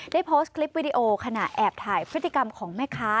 ได้โพสต์คลิปวิดีโอขณะแอบถ่ายพฤติกรรมของแม่ค้า